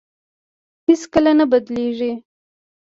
هېڅ کله نه بدلېږي.